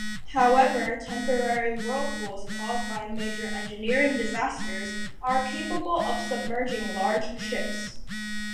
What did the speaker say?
However, temporary whirlpools caused by major engineering disasters are capable of submerging large ships.